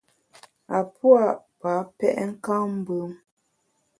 A pua’ pa pèt nkammbùm.